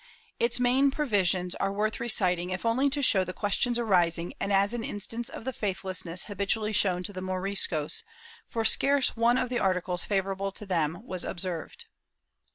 Its main provi sions are worth reciting if only to show the questions arising and as an instance of the faithlessness habitually shown to the Moriscos, for scarce one of the articles favorable to them was observed.